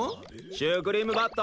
シュークリーム・バット！